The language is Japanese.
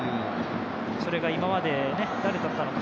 それが今まで誰だったのか。